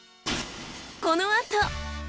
このあと！